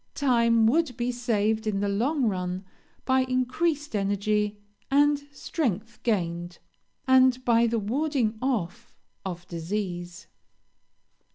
Time would be saved in the long run by the increased energy and strength gained, and by the warding off of disease."